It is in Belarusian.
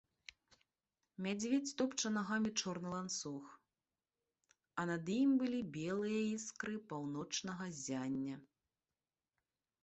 Мядзведзь топча нагамі чорны ланцуг, а над ім былі белыя іскры паўночнага ззяння.